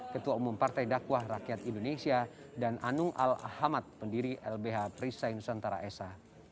ketua umum partai dakwah rakyat indonesia dan anung al ahmad pendiri lbh perisai nusantara esa